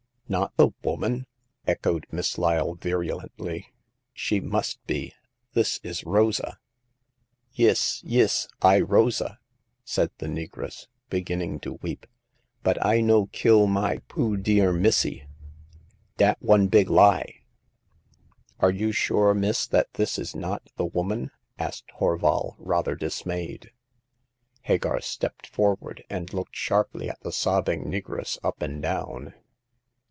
Not the woman ?" echoed Miss Lyle, viru lently. She must be ! This is Rosa !"Yis, yis ! I Rosa/' said the negress, begin ning to weep, but I no kill my poo* dear missy. Dat one big lie." Are you sure, miss, that this is not the woman ?" asked Horval, rather dismayed. Hagar stepped forward, and looked sharply at the sobbing negress up and down.